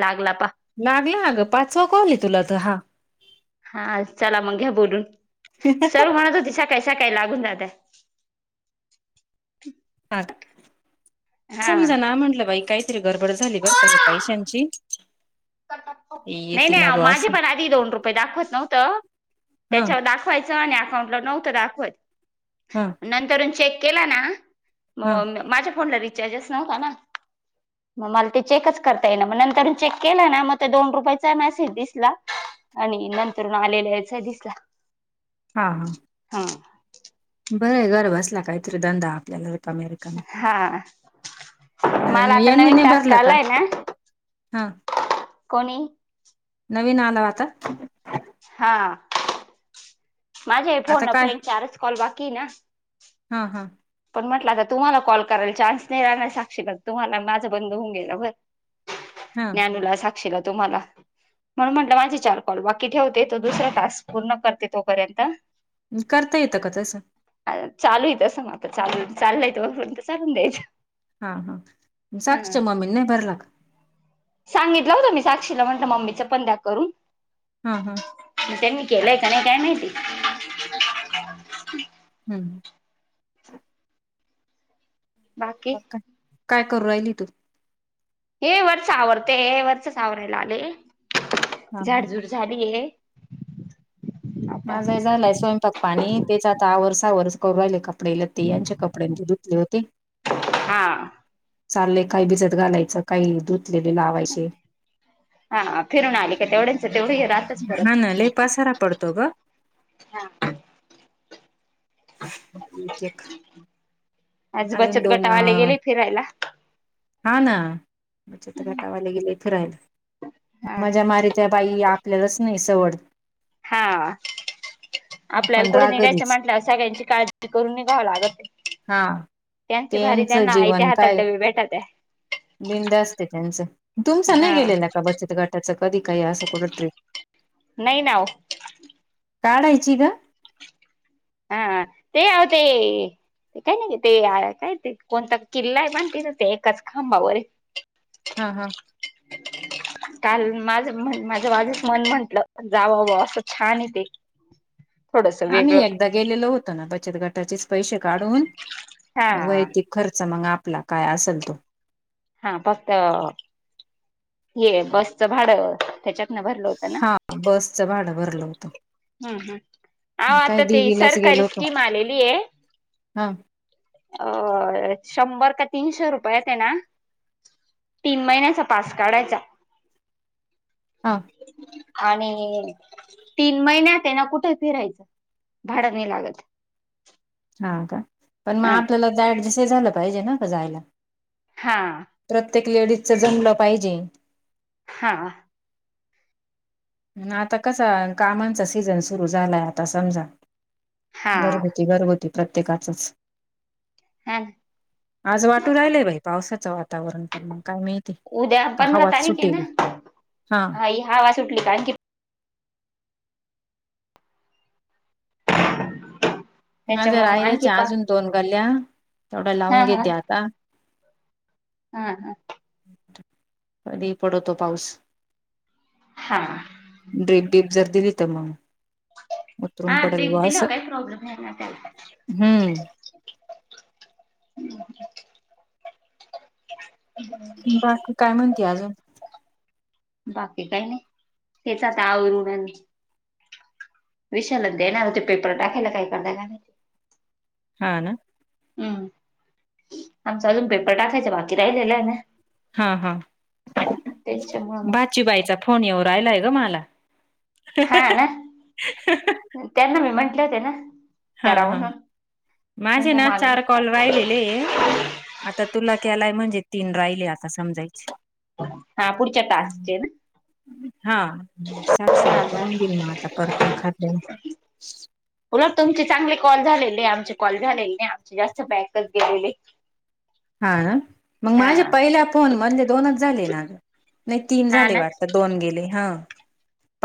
लागला पा लागलं आगं पाचवा कॉल आहे, तुला तर हां. हा चला मग, घ्या बोलून. [inaudible] सरू म्हणत होती सकाळी, सकाळी लागून जातय हं.. हा समजना म्हटलं बाई काही. री गडबड झाली बर काही पैशांची नाही येते ना नाही बा माझे असं पण, आधी दोन रुपये दाखवत नव्हतं हा त्याच्यावर दाख पैसे आणि अकाउंट ला नव्हं दाखवाय हां. नंतर चेक केला ना, हा मग माझ्या फोनला रे [unintelligible] मला ते चेकच करता येईना नंतरन चेक केलं ना मग तर दोन रुपयाचा मॅसेज दिसला, आणि नंतर आलेला याचा ही दिसला. हा, हा हा बरं आहे घर बसला, काहीतरी धंदा आपल्याला. रिकामी रिकामी, हा मला आता यांनी नवीन नाही का टास्क भरला. आलाय ना हा कोणी. नवीन आल हो आता हां. माझ्या हे फोन आता ना काय फ्रेंड चारच कॉल बाकी ना हा हा पण म्हटलं आता तुम्हाला कॉल करायला चान्स नाही राहिणार साक्षीला तुम्हाला माझं बंद होऊन गेला बरं हा ज्ञानूला, साक्षीला, तुम्हाला म्हणून म्हंटलं माझे चार कॉल बाकी ठेवते, तो दुसरा टास्क पूर्ण करते तोपर्यंत. करता येतं का तसं चालू येतसं म आता चा चालूय वारून चाललंय जोपर्यंत चाललंय हा हा. साक्षी चा मम्मीन नाही. भरला का, सांगितलं होतं मी साक्षीला म्हटलं मम्मीचं पण द्या करून हां. हां.. त्यांनी केलंय का, नाही काय माहिती. [unintelligible] बाकी काय करू राहिली तू हे वरच आवरतेय वरचच आवरायला आले हा हा झाड झुड झाली ये. माझ झालाय स्वयंपाक पाणी तेच, आता आवर सावर करू राहिले काम. कपडेलते यांचे कपडे, आणि ते धुतले होते. हां. चालेय काही भिजत घालायचं, काही दूध. [unintelligible] हा फिरून आली का तेवढ्यांच तेवढ रातच हा ना परत लय पसारा पडतो ग हां.. अन तेक. आज बचत गटावाले गेले फिरायला. हाव ना घटावाला गेले फिरायला हा माझ्या मारीत त्या बाई, आपल्यालाच नाही सवड. हा. आपल्याला आपण कुठं निघायचं रागरीच म्हटल्यावर सगळ्यांची काळजी करून निघावं लागतं. हा. त्यांचे भारी त्यांचं त्यांना आयते हातात डबे भेटत त्या. बिनधास्त आहे त्यांच. तुमचं नाही हा गेलेलं का बचत गटाचं कधी काय असं कुठं ट्रीप? नाही ना ओ. काढायची ग. हा ते आते ते काय ना ते काय ते कोणता किल्ला आहे बांधते ना ते एकाच खांबावर हा हा. काल माझ म्हण माझं वाढदिवस मन म्हंटलं जाव बा असं छान य ते. थोडस आम्ही वेगळं एकदा गेलेलो होतो ना बचत गटाचेच पैसे काढून हा वैतिक खर्च मग आपला काय असेल तो. हा फक्त ये बसचं भाडं त्याच्यात नाभरल होत ना हा बसचं भाडं भरलं होतं. हम् हम्. अहो काय आत्ता ती देवीलाच गेलो सरकारी होतो स्कीम आलेली आहे. हा. अ शंभर काय तीनशे रुपयया ते ना तीन महिन्याचा पास काढायचा. हा. आणि तीन महिन्यात हे ना कुठे फिरायचं. भाडा नाही लागत. हा का? पण मग अ आपल्याला आता ऍडजेस्टही झालं पाहिजे ना का जायला. हा. प्रत्येक लेडीजच जमलं पाहिजे. हा. पण आता कस कामांचा सीजन सुरु झालाय आता समजा हा गरदी. ते घरगूती प्रत्येकाचच. हा. आज वाटू राहिलंय बाई पावसाचं वातावरण, पण मग काय मी उद्या पंधरा तारीख आहे ना? हा हि हवा सुटली आणखीण माझं त्याच्यामुळे मग राहिलाच आणखी पा अजून दोन गल्या तेवढ्या हा लावून हा घेते आता. हा हा. कधी पडतो पाऊस. हा. ड्र्रीप डीप जर दिली तर मग. उतरून हा पडेल तेक ब दिल असं काही प्रॉब्लेम आहे नाही ना त्याला. हम्म. [unintelligible] बाकी काय म्हणती अजून? बाकी काही नाही तेच आता आवरून विशाललाच देणार होते पेपर टाकायला काही करताय काय माहीत. हा ना? हम्म. आमचा अजून पेपर टाकायचा बाकी राहिलेला आहे ना. हा हा त्याच्यामुळं मग बाची बाईचा फोन येऊन राहिलाय ग मला. हा ना? त्यांना मी म्हंटले होते ना. हा करा हा. म्हणून माझे म्हणलं ना मामी चार कॉल राहिलेले. आता तुला केलाय म्हणजे तीन राहिले आस समजायचे. हा पुढच्या [unintelligible] टास्कचे ना. हा. शिला हा का? करून देईल मग आता करत खातल्या. [unintelligible] उलट तुमचे चांगले कॉल झालेले आहे. आमचे कॉल झालेले नाही, आमचे जास्त बॅकच गेलेले. हा मग, हा माझे पहिल्या फोन मधले दोनच झाले ना ग. नाही तीन हा झाले ना वाटत. दोन गेले हा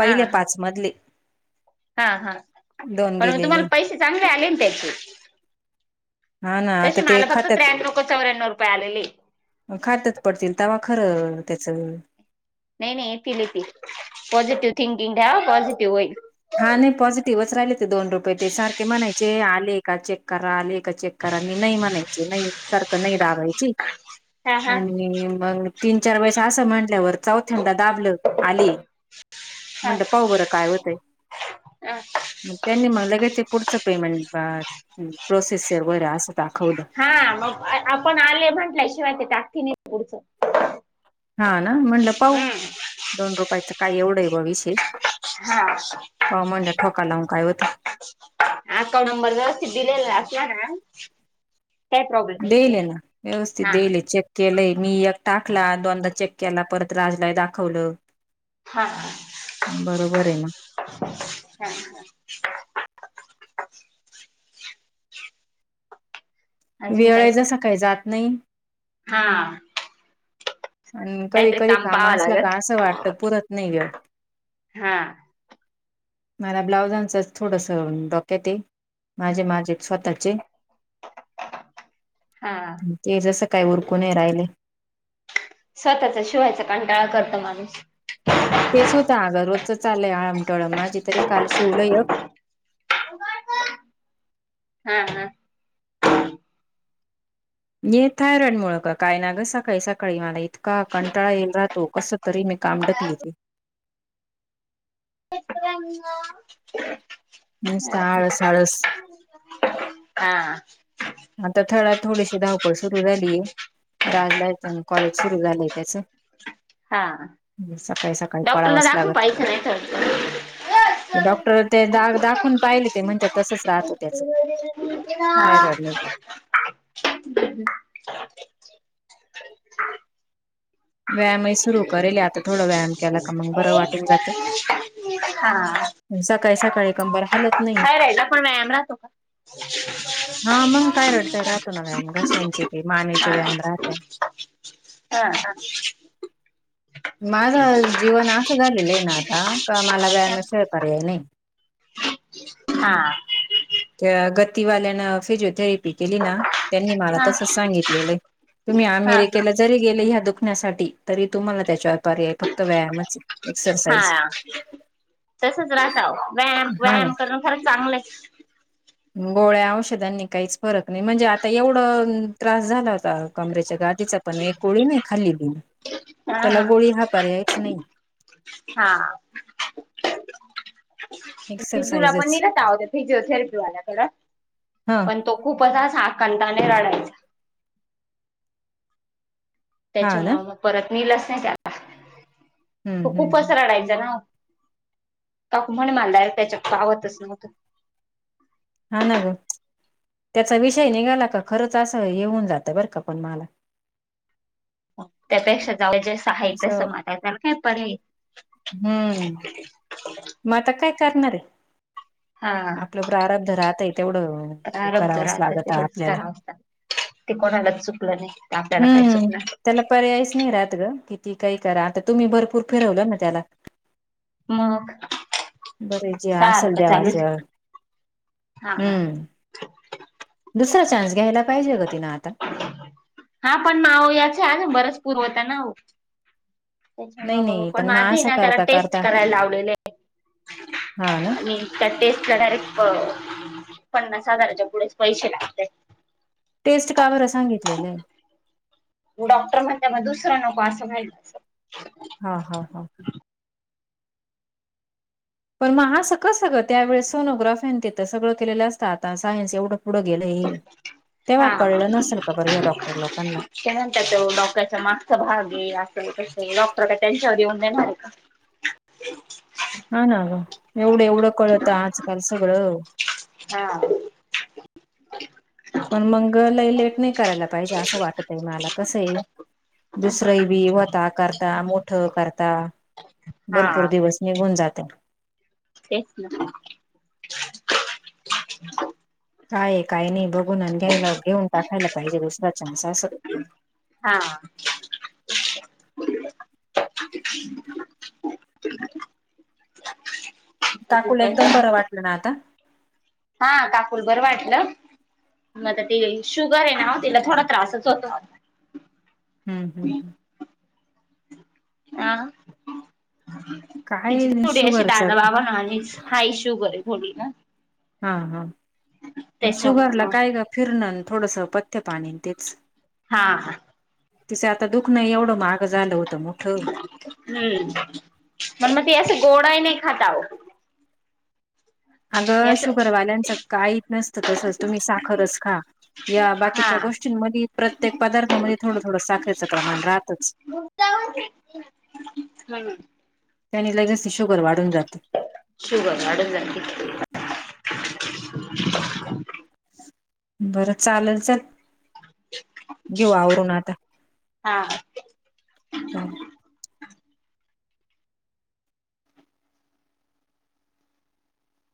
हा हा पाच मधले. हा हा दोन पण गेलेले. तुम्हाला पैसे चांगले आले, त्याचे. हा ना तशी आता ते मला फक्त खात्यात त्र्याण्णव का चौऱ्याण्णव रुपये आलेलं आहे. मग, खात्यात पडतील तवा खरं त्याचं. नाही नाही येतील येतील. पॉझिटिव्ह थिंकिंग ठेवा पॉझिटिव्ह होईल. हा नाही पॉझिटिव्हच राहिले. ते दोन रुपये ते सारखे म्हणायचे आले का चेक करा. आले चेक करा, मी नाही म्हणायची नाही, नाही सारखं नाही दाबायचे. हा हा आणि मग, तीन चार वेळेस असं म्हंटल्यावर.. चौथ्यांदा दाबलं, आली म्हणल पाहू बरं काय होतंय. आ.. मग, त्यांनी म्हणलं लगेच ते पुढचं पेमेंट प्रोसेसर सर्वर असं. दाखवलं हा.. मग, आपण आले म्हंटल्या शिवाय ते टाकती नाही पुढचं. हा ना, म्हटलं पाहु हम्म दोन रुपयाचं काय? एवढं आहे ब विशेष.. हा.. पाहू म्हणलं ठोका लावून काय होतं अकाउंट नंबर व्यवस्थित दिलेला [unintelligible] काही प्रॉब्लेम येत नाही देले ना, व्यवस्थित हा. देले चेक. केलंय मी एक टाकला, दोनदा चेक केला परत राजलाही दाखवलं. हा हा हा.. बरोबर आहे ना [inaudible] हा हा.. वेळही जसं काही जात नाही. हा.. आणि कधी काहीतरी कधी काम पाहावं असल्या लागल का? असं वाटत पुरत नाही वेळ. हा मला ब्लाउजांच थोडस डोक्यात हाय. माझे, माझे स्वतःचे. हा.. ते जसं काय? उरकूने राहिले. स्वतःचा शिवायचा कंटाळा करत माणूस. तेच अगं रोजच चालयं आळमटळम माझी तरी काल शिवलंय? हा. हा.. ये थायरॉइड मुळ का? काय? ना ग सकाळी सकाळी मला इतका कंटाळा येईल राहतो कसं? तरी मी काम ढकलीते. नुसतं आळस आळस [unintelligible] हा.. आता थळात थोडीशी धावपळ सुरु झालीय. राजला येतं कॉलेज सुरू झालंय त्याचं. हा सकाळी सकाळी डॉक्टरला पळावाच लागत दाखवू काय इकडं [unintelligible] डॉक्टर ते दाग दाखवून पाहिले. ते म्हणतात, तसच राहतं, त्याच थायरॉइड नाही. [inaudible] [unintelligible] [inaudible] व्यायामही सुरू करेल आता थोडा व्यायाम केला का मग बरं वाटून जातं हा. सकाळी सकाळी कंबर हालत नाही काय राहिल पण व्यायाम राहतो का? हा मग थायरॉइड काही राहतो ना व्यायाम [unintelligible] घशांचे ते मानेचे व्यायाम ह राहत्या हा. हा.. माझं जीवन असं झालेलं आहे, ना आता का? मला व्यायामाशिवाय पर्याय नाही. हा. ते गतीवा्या ना फि जोथे. [unintelligible] केली ना त्यांनी मला हा तस सांगितलेलं आहे तुम्ही हा आमेरे केेला जरी गेल या दुखण्यासाठी तरी तुम्हाला त्याच्या पर्याय फक्त व्यायामच ये‌ एक्ससाइज. तसंच राहत ओ. व्यायाम हा ना व्यायाम करण फार चांगलं ये. गोळ्या औषधांनी काहीच फरक नाही म्हणजे आता एवढं त्रास झाला होता कमरेच्या गादीचा पण, एक गोळी नाही खाल्लेली. ह [unintelligible] त्याला गोळी हा, पर्यायच नाही. हा. सिधूला पण एक्सरसाइजच न्हेल आवो होत, फिजिओथेरपी वाल्या कर हा पण. तो खूपच आस आकंदाने रडायचा. हा ना त्याच्यामुळे परत नेलच नाही त्याला. तो हम्म हम्म खूपच रडायचा ना काक म्हण मलला त्याच्या आवतच नव्हतं. हा ना ग त्याचा विषय निघाला का खरंच असं येऊन जात बरं का पण मला त्यापेक्षा जाव जे साहित्य असं समधा काय पर्याय. हम्म मग आता काय करणार आहे? हा आपलं प्रारब्ध राहतय तेवढं प्रारब्ध करावं राहतं स्वागत आहे तेवढंच आपल्याला. करावं लागतं ते कोणालाच चुकलं नाही ते आपल्याला काय हम्म चुकणार त्याला पर्यायच नाही राहत गं, किती काही करा आता तुम्ही भरपूर फिरवलं ना त्याला. मग? बरे जे असल सारखं देवाच चालूच हा हम्म दुसरा चा्स घ्यायला पाहिजे ग तिन आता. हा पण माव याच, आज बरंच पूरवता ना‌ हो. त्याच्या मुळे नाही मग नाही पण माझं असं ना त्याला करता टेस्ट करता करायला लावलेलं आहे हा ना आणि. त्या टेस्टला डायरेक्ट पन्नास हजाराच्या पुढेच पैसे लागत्यात. टेस्ट का बरं सांगितलेलं आहे? डॉक्टर म्हणते मग दुसरं नको असं माहित अस हा हा हा हा. पण मग असं कां सगळं त्यावेेस सोनोग्राफीनिथं सगळं केलेलं असतं आता सायन्स एवढं पुढं गेलंय हा तेव्हा कळलं नसेल का बरं या डॉक्टर लोकांना. काय म्हणतात डॉक्टरच्या मागचा भाग येईल असं कस डॉक्टर का त्यांच्यावर येऊन देणार आहे का? हं ना गं एवढं एवढं कळत, आज काल सगळं. हां. पण मगं लई. तेच नाही करायला पाहिजे अस वाटत मला कस आहे दुसरं बी होता कर. मोठ करता हा भरपूर दिवस निघून जाते तेच ना काय काही नाही बघून आण घ्यायला घेऊन टाकायला पाहिजे दुसरा चान्सस हां. [unintelligible] अजून काकूल काय एकदम बरं वाटलं ना आता? हा काकूल बरं वाटलं? मग ते शुगर आहे ना तिला थोडा त्रासच होतो. हम् हं् ह. [unintelligible] अ तिची काय थोडी अशी शुगरच दादा बाबा हं आणि हा इश्यू करे थोडी न. हा हा त्याच्यामुळे शुगरला मग काय गं फिरणं थोडसं पथ्य पाणीन तेच. हा हा. तिचं आता दुख नाही एवढं मागं झालं होतं मोठं. हम्म. मग मत या असं गोड आहे ना‌ खाताव. अगं असं शुगर घरवाल्यांचं काही नसतं तसंच तुम्ही साखरच खा. या हा बाकीच्या गोष्टींमध्ये प्रत्येक पदार्थामध्ये थोडं थोडं साखरेच प्रमाण राहतच. [unintelligible] हम्म. त्यानी लगेच शुगर वाढून राहतो. शुभ वाडून जाते. [unintelligible] बरं चालेल चल. घेऊ आवरून आता हा चाल.